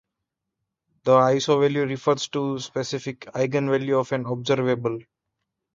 The isovalue refers to a specific eigenvalue of an observable.